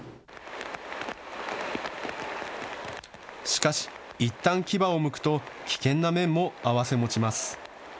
しかし、いったん牙をむくと危険な面も併せ持ちます。